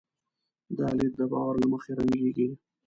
دا لید د باور له مخې رنګېږي.